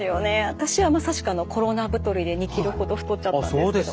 私はまさしくコロナ太りで２ｋｇほど太っちゃったんですけど。